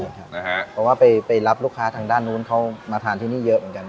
เพราะว่าไปรับลูกค้าทางด้านนู้นเขามาทานที่นี่เยอะเหมือนกัน